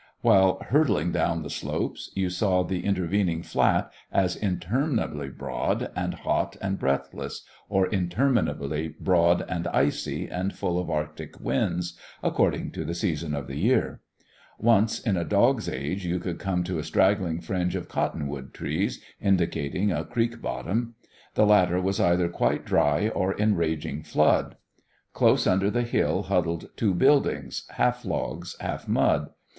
While hurtling down the slopes, you saw the intervening flat as interminably broad and hot and breathless, or interminably broad and icy and full of arctic winds, according to the season of the year. Once in a dog's age you came to a straggling fringe of cottonwood trees, indicating a creek bottom. The latter was either quite dry or in raging flood. Close under the hill huddled two buildings, half logs, half mud.